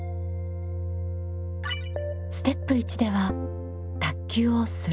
ステップ１では卓球を「する」